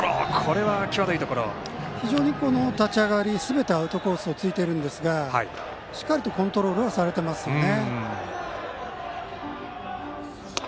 非常にこの立ち上がりすべてアウトコースをついているんですがしっかりとコントロールはされてますよね。